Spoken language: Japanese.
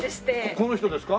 この人ですか？